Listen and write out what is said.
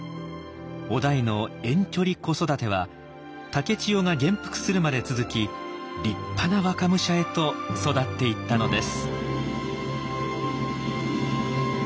於大の遠距離子育ては竹千代が元服するまで続き立派な若武者へと育っていったのです。